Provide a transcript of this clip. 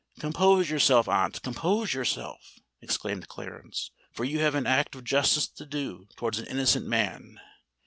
"Compose yourself, aunt—compose yourself!" exclaimed Clarence; "for you have an act of justice to do towards an innocent man.